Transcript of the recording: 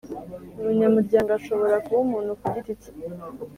Umunyamuryango ashobora kuba umuntu kugiti cye